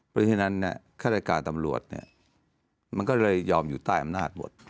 เพราะฉะนั้นฆาตการตำรวจมันก็เลยยอมอยู่ใต้อำนาจหมด